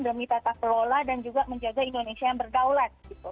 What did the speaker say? demi tata kelola dan juga menjaga indonesia yang berdaulat